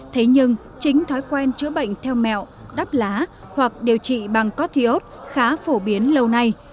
thế nhưng chính thói quen chữa bệnh theo mẹo đắp lá hoặc điều trị bằng các kiosk khá phổ biến lâu nay